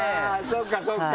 そっかそっか！